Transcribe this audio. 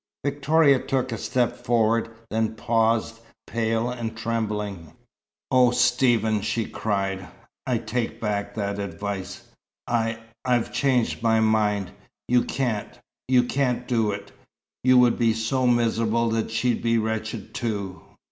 Victoria took a step forward, then paused, pale and trembling. "Oh, Stephen!" she cried. "I take back that advice. I I've changed my mind. You can't you can't do it. You would be so miserable that she'd be wretched, too.